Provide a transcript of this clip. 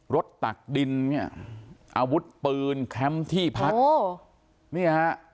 ตักดินเนี่ยอาวุธปืนแคมป์ที่พักเนี่ยฮะ